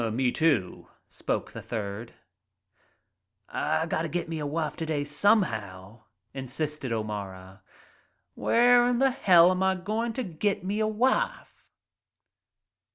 et Me, too," spoke the third. "I gotta get me a wife t'day, somehow," insisted O'Mara. "Where in hell 'm I goin' t' get me a wife?"